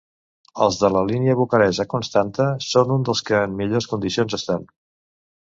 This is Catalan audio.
Els de la línia Bucarest a Constanta són un dels que en millors condicions estan.